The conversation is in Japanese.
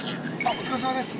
お疲れさまです。